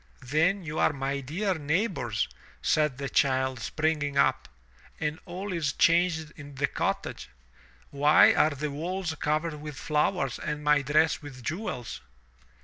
"Then you are my dear neighbors," said the child springing up. "And all is changed in the cottage. Why are the walls covered with flowers and my dress with jewels?"